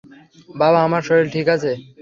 বাবা, আমার শরীর ঠিক আছে।